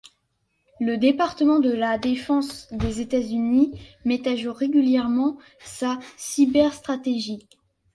Le Département de la Défense des États-Unis met à jour régulièrement sa cyberstratégie.